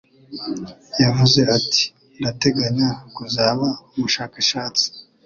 Yavuze ati: "Ndateganya kuzaba umushakashatsi."